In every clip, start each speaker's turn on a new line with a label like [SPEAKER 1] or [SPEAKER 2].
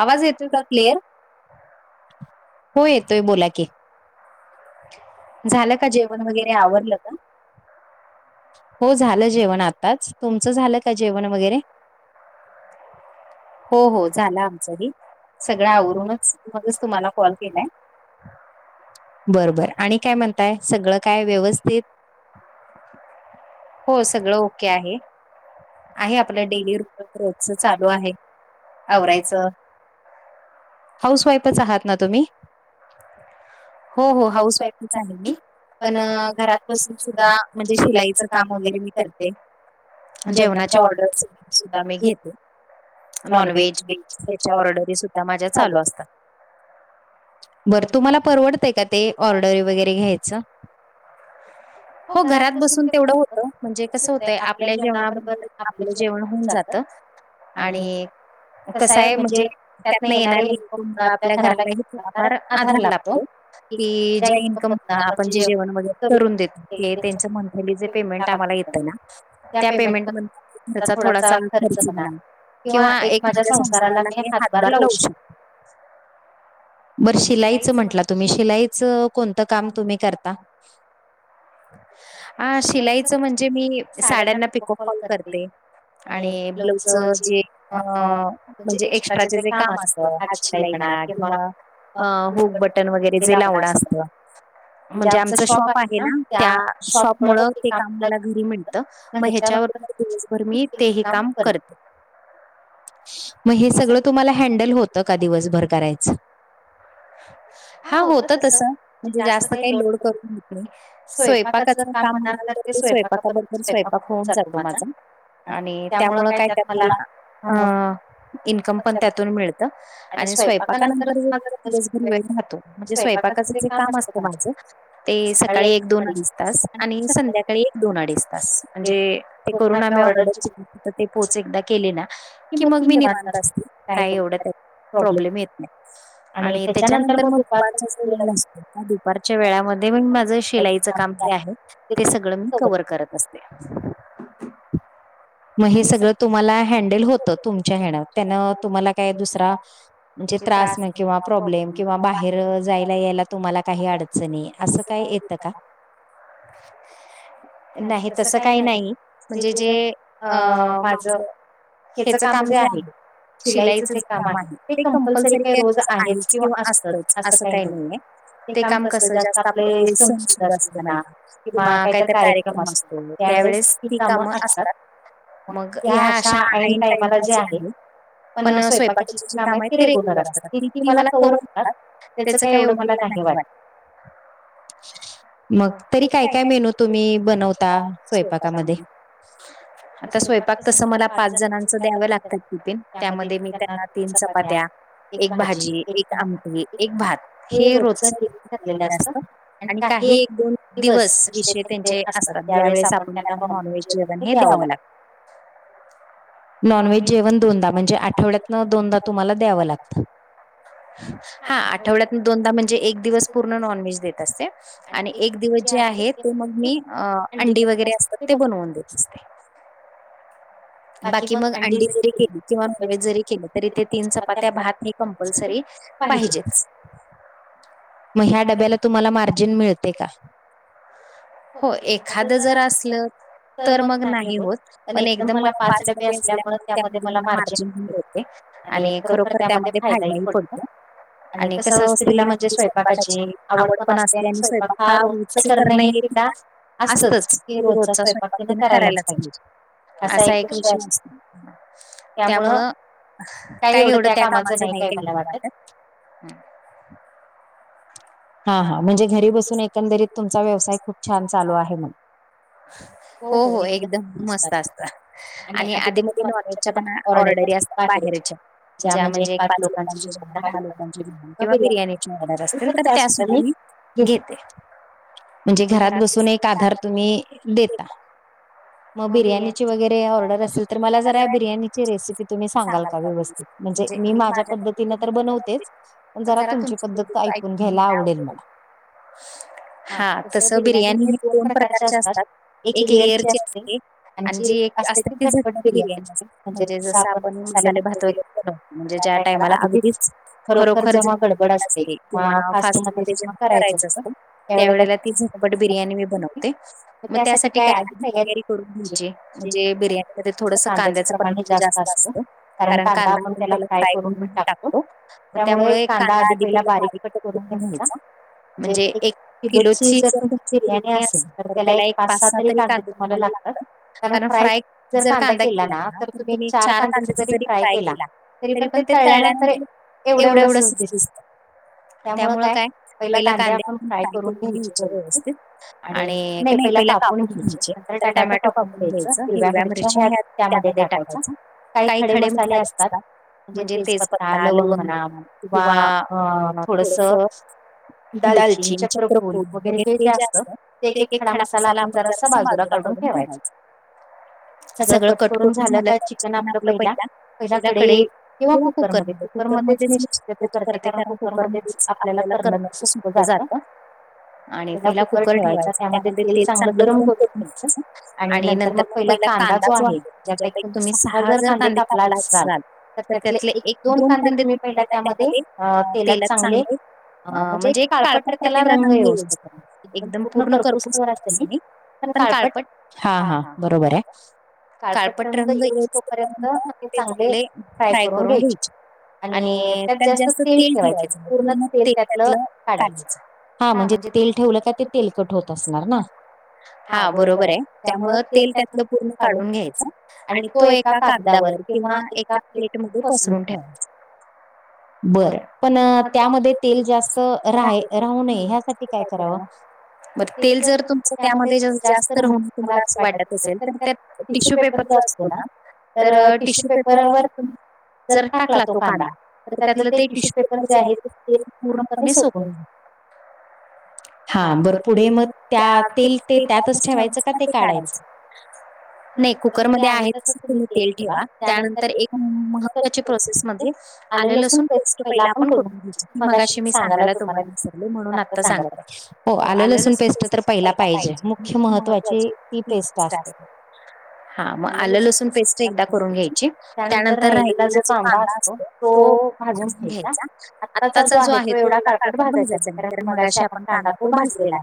[SPEAKER 1] आवाज येतो क्लेअर?
[SPEAKER 2] हो, येतोय बोला की
[SPEAKER 1] झालं का? जेवण वगैरे आवरलं पण?
[SPEAKER 2] हो, झालं जेवण आताच. तुमचं झालं का जेवण वगैरे?
[SPEAKER 1] हो, हो, झालं आमचं ही सगळ आवरूनच मगच तुम्हाला कॉल केलाय. बर, बर
[SPEAKER 2] काय म्हणताय? सगळं काय व्यवस्थित?
[SPEAKER 1] हो, सगळं ओके आहे. आहे आपलं डेली रुटन रोजच चालू आहे आवरायचं
[SPEAKER 2] हाऊस वाईफच आहात ना तुम्ही?
[SPEAKER 1] हो, हो हाउस वाईफच आहे मी, पण घरात बसून सुद्धा म्हण- जे शिलाईच काम वगैरे मी करते. जेवणाच्या ऑर्डर सुद्धा मी घेते. नॉन व्हेज, व्हेज त्याच्या ऑर्डरी सुद्धा माझ्या चालू असतात.
[SPEAKER 2] बर, तुम्हाला परवडतय का ते ऑर्डर वगैरे घ्यायचं?
[SPEAKER 1] [inaudible] हो, घरात बसून तेवढं होतं, म्हणजे कसं होतंय, आपल्या जेवणाबरोबर आपलं जेवण होऊन जात. आणि कसं आहे म्हणजे, त्यातन येणारी हेतू मुळ आपल्या घरालाही थोडा फार आधार लाभतो. ती जी इनकम आपण जे जेवण वगैरे- करून देतो. ते त्यांच मंथली जे पेमेंट आम्हाला येतय ना त्या पेमेंट- त्याचा थोडासा खर्च मला किंवा एक माझ्या संसाराला मी हातभार लावू शकते.
[SPEAKER 2] बर, शिलाईचं म्हटलं तुम्ही शिलाई च कोणतं काम तुम्ही करता?
[SPEAKER 1] हा शिलाईच म्हणजे मी साड्यांना पीको फॉल करते. आणि ब्लाऊज च जे अ म्हणजे एक्स्ट्राचे जे काम अस हात शिलाई म्हणा किंवा हुक बटन वगैरे जे लावतो थोड असत म्हणजे आमच शॉप आहे ना त्या शॉपमुळे ते काम मला घरी मिळतं मग ह्याच्यावरर दिवसभर मी ते ही काम करते
[SPEAKER 2] मग हे सगळं तुम्हाला हँडल होत का दिवसभर करायचं
[SPEAKER 1] हा होत तस म्हणजे जास्त काही लोड करून घेत नाही स्वयंपाकात काम होणार तर ते स्वयपाकाबरोबर स्वयंपाक होऊन जातो माझा आणि त्यामुळं काय त्यात मला अ इन्कम पण त्यातून मिळ.. त आणि स्वयंपाकानंतर एकतर दिवस भर वेळ राहतो म्हणजे स्वयपाकाचं जे काम असतं माझ ते सकाळी एक दोन अडीच तास आणि संध्याकाळी एक दोन अडीच तास अस.. म्हणजे ते करून आम्ही ऑर्डरची ते पोहोच एकदा केली ना कि मग मी निवांत असते काही एवढं त्यात प्रॉब्लेम येत नाही आणि त्याच्यानंतर मग दुपारचं वेळ असतो मग दुपारच्या वेळामध्ये म माझ शिलाईचं काम जे आहे ते सगळं सगळं मी कव्हर करत असते
[SPEAKER 2] मग हे सगळं तुम्हाला हँडल होत तुमच्या हेनं त्यानं तुम्हाला काय दुसरा म्हणजे त्रास नाही किंवा प्रॉब्लेम किंवा बाहेर जायला यायला तुम्हाला काही अडचणी असं काय येतं का
[SPEAKER 1] नाही तस काही नाही म्हणजे जे
[SPEAKER 2] अ माझं हेचं काम जे आहे शिलाईचं जे काम आहे ते कंपल्सरी काही रोज आ आहेच किंवा असतच अस काही नाही हे काम कसं जास्त आपले सणशुध असते म्हणा किंवा काहीतर कार्यक्रम असतो त्यावेळेस ती कामं असतात मग ह्या अशा ऐन टाइमाला जे आहे पण स्वयंपाकाची जे काम आहेत ते रेग्युलर असतात ती ती मला कवर होतात त्याचं काही एवढं मला नाही वाटत मग तरी काय काय मेनू तुम्ही बनवता स्वयंपाकामध्ये
[SPEAKER 1] आता स्वयंपाक तसं मला पाच जणांचं द्यावं लागतात किपिन त्यामध्ये मी त्यांना तीन चपात्या एक एक भाजी एक आमटी एक भात हे रोजचं रुटीन असतं आणि काही एक दोन दिवस विषय त्यांचे असतात ज्यावेेळेस आपण त्यांना नॉनव्हेज जेवण हे द्याव लागतं. नॉन व्हेज
[SPEAKER 2] दोनदा म्हणजे आठवड्यातनं दोनदा तुम्हाला द्यावं लागतं
[SPEAKER 1] हा आठवड्यातनं दोनदा म्हणजे एक दिवस पूर्ण नॉनव्हेज देत असते आणि एक दिवस जे आहे ते मग मी अ अंडी वगैरे असतात ते बनवून देत असते बाकी मग अंडी जरी केली किंवा नॉनव्हेज जरी केले तरी ते तीन चपात्या भात हे कंपल्सरी
[SPEAKER 2] पाहिजे
[SPEAKER 1] पाहीजेच
[SPEAKER 2] मग ह्या डब्याला तुम्हाला मार्जिन मिळते का
[SPEAKER 1] हो एखादं जर असलं तर मग नाही होत पण एकदम मला पाच डबे असल्यामुळे त्यामध्ये मला मार्जिन मिळतय आणि खरोखर त्यामध्ये फायदा ही पडतो आणि कस वसुलीला म्हणजे असं त्यात अशीआवड पण असते आणि स्वयंपाक हा ते करणं हे असतच तो रोजचा स्वयंपाक तीने करायलाच पाहीजे असा एक विषय असतो ह. त्यामुळं काही एवढं त्या कामाचं नाही काही नाही एवढं वाटत हम
[SPEAKER 2] हा हा म्हणजे घरी बसून एकंदरीत तुमचा व्यवसाय खूप छान चालू आहे म्हणा
[SPEAKER 1] हो हो एकदम मस्त असतं आणि आधी मधी नॉनव्हेजच्या पण ऑर्डर असतात बाहेरच्या ज्या म्हणजे एक पाच लोकांचं जेवण, दहा लोकांचं जेवण किंवा बिर्याणी च्या ऑर्डर असतील तर त्या सुद्धा मी घेते.
[SPEAKER 2] म्हणजे घरात बसून एक आधार तुम्ही देता. मग बिर्याणीची ची वगैरे ऑर्डर असेल तर मला जरा बिर्याणीची रेसिपी तुम्ही सांगाल का व्यवस्थित? म्हणजे मी माझ्या पद्धतीने तर बनवतेच पण जरा तुमची पद्धत ऐकून घ्यायला आवडेल मला. हा तस बिर्याणी हे दोन प्रकारच्या असतात एक लेअरची असते. आणि जी एक असते ती झटपट बिर्याणी असते म्हणजे जस आपण मसाले भात वगैरे ज्या टायमाला अगदीच खरोखर जेंव्हा गडबड असते. किंवा फास्ट मध्ये जेव्हा करायचं असत त्या वळेला ती झटपट बिर्याणी मग त्यासाठी काय आधी तयारी ची जी कांद्याच प्रमाण जास्त असत. कारण कांदा आपण त्याला फ्राय करून ही टाकतो. त्यामुळे एक कांदा आधी पहिला बारीक कट करून घ्यायचा. म्हणजे एक किलोची जर तुमची बिर्याणी असेल तर त्याला एक पाच सहा तरी कांदे मला लागतात. कारण फ्राय जर कांदा केला ना तर तुम्ही चार कांद्याचा जरी फ्राय केला. तरी पण ते तळल्यानंतर एवढं एवढं सच दिस त्यामुळं काय पहिला कांदे आपण फ्राय करून घ्यायचे. [unintelligible] आणि नाही पहिला कापून घ्यायचे नंतर टमॅटो कापून घ्यायचं हिरव्या मिरच्या ह्यात त्यामध्ये टाकायचा काही खडे मसाले असतात. म्हणजे तेजपत्ता लवंग म्हणा किंवा अ थोडसं
[SPEAKER 1] दालचीन, चक्रफुल वगैरे हे जे असत ते एक एक खडा मसाला आपण जरासं माग बाजूला काढून ठेवायचं.
[SPEAKER 2] सगळं कट करून झालं का चिकन आपलं पहिला हेज्या कढईत किंवा कुकरमध्ये कुकरमध्येच मी शक्यतो करते कारण कू कुकरमध्येच आपल्याला करणच सोपं जातं. पहिला कुकर ठेवायचा त्यामध्ये तेल चांगलं गरम करून घ्यायचं. आणि नंतर मग पहिला कांदा जो आहे ज्यात तुम्ही एक सहा जर कांदे कापला असाल. तर त्याचे एक दोन कांदे तुम्ही पहिला त्यामध्ये आ ते
[SPEAKER 1] तेलात चांगले
[SPEAKER 2] अ म्हणजे एक काळपट त्याला रंग येवस तो पर्यंत एकदम पूर्ण करपूस तवर असं नाही. जरा काळपट हा हा बरोबरये. काळपट रंग येऊस तोपर्यंत ते चांगले फ्राय करून घ्यायचे. आणि त्यात जास्त तेल ठेवायचं नाही पूर्ण तेल त्यातलं काढायचं. हा म्हणजे तेल ठेवलं का ते तेलकट होत असणार ना. हा बरोबर आहे त्यामुळं तेल त्यातलं काढून घ्यायच आणि तो एका कागदावर किंवा एका प्लेटे मध्ये पसरून ठेवायचा.
[SPEAKER 1] बरं.
[SPEAKER 2] पण त्यामध्ये तेल जास्त रा राहू नये ह्यासाठी काय करावं??
[SPEAKER 1] बर तेल जर तुमच त्यामध्ये जास्त राहू नये तुम्हाला असं वाटत असेल तर त्यात टिशू पेपर जे आस तो ना तर तर टिश्यू पेपरवर जर टाकला तो कांदा तर त्यातलं ते टिश्यू पेपर जे आहे ते पूर्णपणे [unintelligible] हा बर पुढे मग त्या पेपरातच ठेवायचं का ते काढायचं?? नाही कुकरमध्ये आहे तसे तुम्ही तेल ठेवा त्यानंतर एक महत्त्वाची प्रोसेस म्हणजे
[SPEAKER 2] आलं लसूण
[SPEAKER 1] पेस्ट पहिला आपण करून घ्यायची ती मगाशी मी तुम्हाला सांगायला विसरले म्हणून आता सांगत आहे. हो आलं लसूण पेस्ट पहिले पाहिजे खूप महत्वाची ती पेस्ट असते. हा मग, आलं लसूण पेस्ट एकदा करून घ्यायची. त्यानंतर राहिलेला जो कांदा असतो तो घ्यायचा आत्ताचा जो आहे तो एवढा काळापण भाजायचा नाही कारण मगाशी आपण कांदा तो भाजलेला.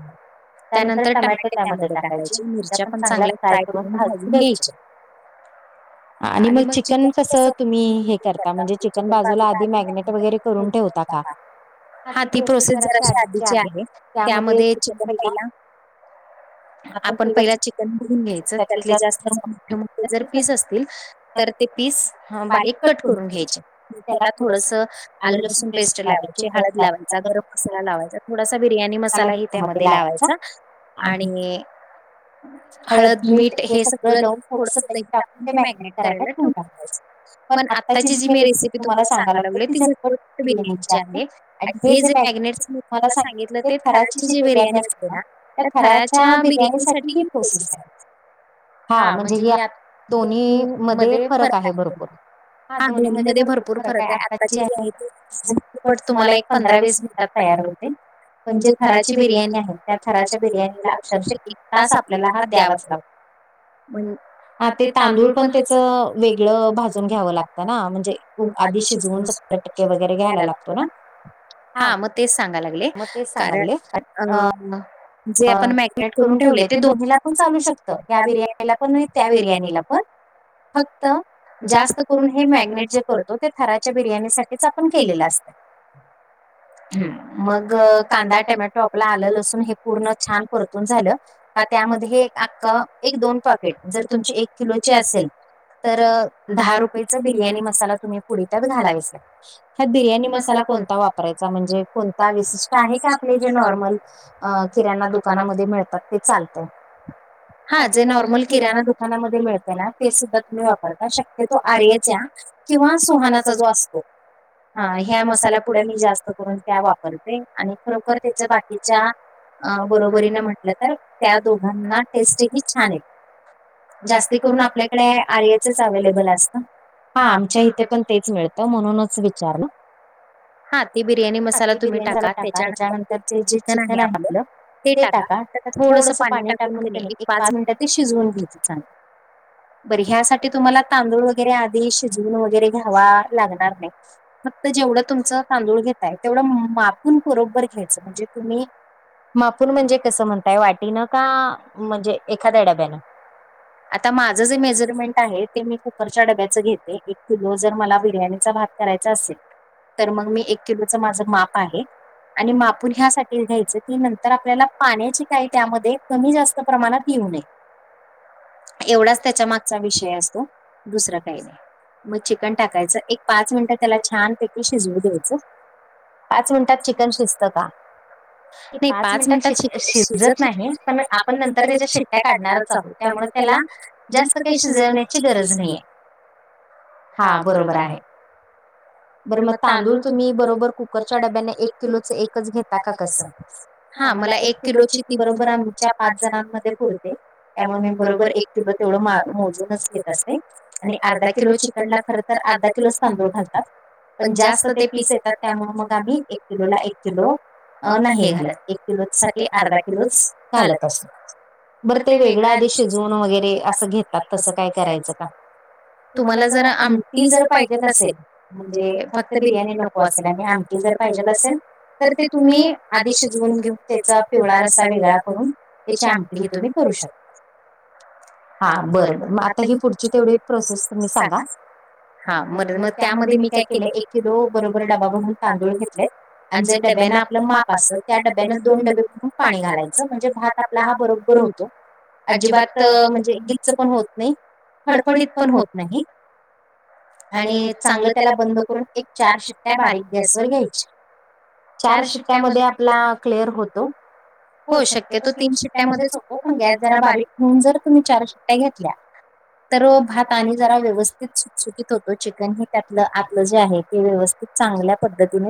[SPEAKER 1] त्यानंतर टमॅटे त्यामध्ये टाकायचे, मिरच्या पण चांगल्या फ्री करून भाजून घ्यायच्या. [inaudible]
[SPEAKER 2] आणि मग चिकन कसं तुम्ही हे करता, म्हणजे चिकन बाजूला आधी मॅरीनेट वगैरे करून ठेवता का?
[SPEAKER 1] हा ती प्रोसेस जराशी आधीची आहे त्यामध्ये चिकन पहिला आपण पहिला चिकन करून घ्यायचं. त्यातले जास्त मोठे मोठे जर पीस असतील तर ते पीस बारीक कट करून घ्यायचे. त्याला थोडस आले, लसून पेस्ट लावायची, हळद लावायचा गरम मसाला लावायचा. थोडासा बिर्याणी मसाला हि त्यामध्ये लावायचा आणि हळद मीठ हे सगळं थोडस दही टाकून ते मॅगिनेट करायला ठेवून टाकायचं. पण आत्ताची ची जी मी रेसिपी तुम्हाला सांगायला लावली ती झटपट बिर्याणीची आहे आणि हे जे मॅगनेट मी तुम्हाला सांगितलं ते थराची जी बिर्याणी आहे. बोला, त्या थराच्या बिर्याणी साठी खूप प्रोसेस आहे. हा म्हणजे हि आता कुकू मध्ये फरक आसतो. हा दोन्ही मध्ये भरपूर फरक आहे आता आता जी आहे ती झटपट तुम्हाला एक पंधरा वीस मिनिटात पाहिली होती. म्हणजे थराची बिर्याणी थराच्या बिर्याणीला अक्षरश एक तास आप. मला पण द्यावच. मन. हा ते तांदूळ पण त्याच, वेगळ भाजून घ्याव लागतात. आधी शिजवून. घ्यायला लागत ना? हा मग तेच सांगायला लागले कारण. [inaudible] जे आपण मॅगिनेट करून ठेवलेय ते दोनला पण चालू शकत. या बिर्याणीला पण, त्या बिर्याणीला पण. फक्त हु जास्त करून हे मॅग्नेट जे करते ते. [unintelligible] जस आहे तसं आपण केलेल असत. हम्म. मग कांदा, टोमॅटो, आपला आलं, लसूण. पूर्ण छान परतून झालं का त्यामध्ये एक आख्ख [unintelligible] जर तुमची [unintelligible] असेल तर दहा रुपयचा बिर्याणीचा
[SPEAKER 2] पुढे त्यात घालावीच लागते यात बिर्याणी मसाला कोणता वापरायचा म्हणजे कोणता विश आहेत आपले जे नॉर्मल, अ किराणा दुकानामध्ये मिळतात ते चालत. हा जे नॉर्मल किराणा दुकानामध्ये मिळत ना ते सुद्धा तुम्ही वापरता शक्यतो आर्यच्या किंवा सुहाना
[SPEAKER 1] चच आसतो.
[SPEAKER 2] अ ह्या मसाला पुड्या मी जास्त करून त्या वापरते आणि खरोखर त्याच्या बाकीच्या अ बरोबरीन म्हटलं तर त्या दोघांना टेस्ट ही छान आहे. जास्ती करून, आपल्याकडे आर्यच अवलेबल असत. हा आमच्या इथे पण ते मिळत म्हणूनच विचारलं. ह ती बिर्याणीमधे टाका त्याच्यानंतर ते जे चिकन आहे आपल ते टाका, त्यात थोडस पाणी टाकून त्यांनी एक पाच मिनिट ते शिजवून घ्यायचं चांगलं. तर ह्यासाठी तुम्हाला तांदूळ वगैरे आधी शिजवून वगैरे घ्या घ्यावा लागणार नाही. फक्त जेवढं तुमचं तांदूळ घेताय तेवढ माप पुण बरोबर घ्यायचं म्हणजे तुम्ही
[SPEAKER 1] [inaudible]
[SPEAKER 2] मापून म्हणजे कसं, म्हणताय. वाटीनं का, म्हणजे एखाद्या डब्यानं? आता माझं जे मेजरमेंट आहे, ते मी कुकरच्या डब्याचं घेते. एक कि लो जर मला, बिर्याणीचा भात करायचा असेल तर मग मी एक किलोचं माझं माप आहे. आणि मापून ह्यासाठी घ्यायचं की, नंतर आपल्याला पाण्याची काही त्यामध्ये, कमी- जास्त प्रमाणात येऊ नये. एवढाच त्याच्या मागचा विषय असतो. दुसरं काय नाही.
[SPEAKER 1] मग चिकन टाकायचं. एक पाच मिनिटं त्याला, छान [unintelligible] शिजवू द्यायचं. पाच मिनटात चिकन शिजत का? नाही, पाच मिनिटात शिक शिजत नाही. पण आपण नंतर त्याच्या शिट्या काढणारच आहोत. त्यामुळे त्याला, जास्त काय शिजवन्याची गरज नाही. हा, बरोबर आहे. बरं मग, तांदूळ तुमच्याकडं कुकरच्या डब्ब्यानं, एक किलोच घेतात का कसं? हा, मला एक किलोची ती, बरोब्बर आमच्या पाच जणांमध्ये पूरतो. त्या पण बरोबर एक किलो तिथं, मापूनच घेत असते. आणि अर्धा किलोची चिकनला खरं तर, अर्धा किलोच तांदूळ घालतात. पण जास्त ते पीस येतात. त्यामुळे, मग आम्ही एक किलोला, एक किलो, अ [unintelligible] किलोसाठी अर्धा किलोच घालत असतो. बरं, ते वेगळा आधी शिजवून वगैरे असं करतात, तसं काय करायचं का? तुम्हाला जर आमटी जर पाहिजेल असेल. म्हणजे फक्त बिर्याणी नको असेल. म्हणजे आमटी जर पाहिजेल असेल तर ते तुम्ही, आधी शिजवून घेऊन, त्याचा पिवळा रसा वेगळा करून, त्याची आमटी ही तुम्ही करू शकता. हा, बरं- बर. मग आता तुमची तेवढी कन्सस्टी सांगा.
[SPEAKER 2] हा, बर. मग त्यामध्ये मी काय केलं? एक किलो, बरोबर डबा भरून तांदूळ घेतलेत. अन् जे डब्याने आपलं माप असतं त्या डब्यानं, दोन डबे भरून पाणी घालायचं. म्हणजे, भात आपला हा बरोबर होतो. अजिबात अ म्हणजे, गीच पण होत नाही. फडफडीत पण होत नाही. आणि चांगलं त्याला बंद करून, एक चार शिट्ट्या बारीक गॅसवर घ्यायच्या. चार शिट्ट्यामध्ये आपला, क्लिअर होतो. हो, शक्यतो तीन शिट्ट्यामध्येच होतो. पण गॅस जरा बारीक ठिऊन, जर तुम्ही चार शिट्ट्या घेतल्या तर, भात आणि जरा व्यवस्थि [unintelligible] चिकन हे त्यातलं आतलं जे आहे, ते व्यवस्थित चांगल्या पद्धतीने